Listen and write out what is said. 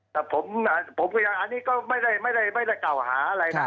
แต่ผมก็ไม่ได้เก่าหาอะไรนะ